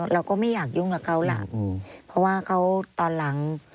เราก็ไม่อยากยุ่งกับเขาล่ะเพราะว่าเขาตอนหลัง